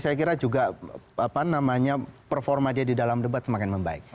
saya kira juga performa dia di dalam debat semakin membaik